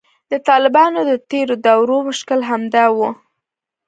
د طالبانو د تیر دور مشکل همدا و